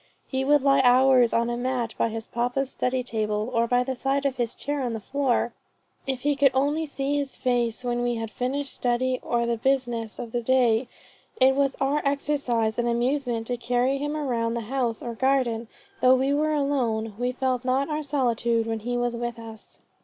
He would lie hours on a mat by his papa's study table, or by the side of his chair on the floor, if he could only see his face. When we had finished study or the business of the day, it was our exercise and amusement to carry him round the house or garden, and though we were alone, we felt not our solitude when he was with us."